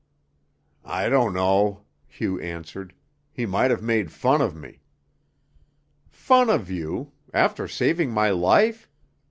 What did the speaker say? "I don't know," Hugh answered. "He might have made fun of me." "Fun of you! After saving my life!